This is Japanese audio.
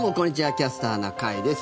「キャスターな会」です。